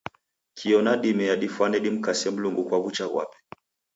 Kio na dime yadifwane dimkase Mlungu kwa w'ucha ghwape.